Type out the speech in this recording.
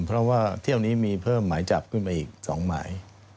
เพราะว่าเที่ยวนี้มีเพิ่มหมายจับขึ้นไปอีก๒หมาย